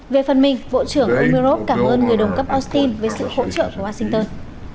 về phần mình bộ trưởng umurov cảm ơn người đồng cấp austin với sự hỗ trợ của washington